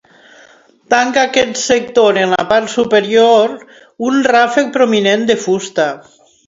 Tanca aquest sector en la part superior, un ràfec prominent de fusta.